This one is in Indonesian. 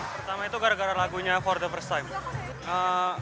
pertama itu gara gara lagunya for the first time